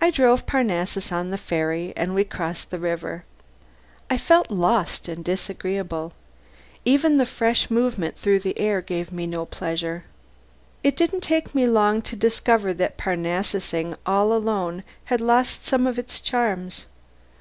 I drove Parnassus on the ferry, and we crossed the river. I felt lost and disagreeable. Even the fresh movement through the air gave me no pleasure. Bock whined dismally inside the van. It didn't take me long to discover that Parnassing all alone had lost some of its charms.